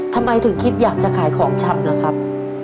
ทำไมถึงคิดอยากจะขายของชำล่ะครับ